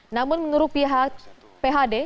namun menurut pihak phd